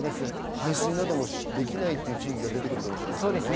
排水などもできない地域が出てくるかもしれませんね。